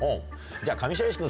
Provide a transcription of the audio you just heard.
じゃあ。